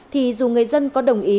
thì dù người dân có đồng ý